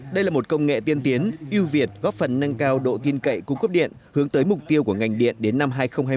đây là một công nghệ tiên tiến ưu việt góp phần nâng cao độ tin cậy cung cấp điện hướng tới mục tiêu của ngành điện đến năm hai nghìn hai mươi